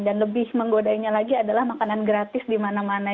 dan lebih menggodainya lagi adalah makanan gratis di mana mana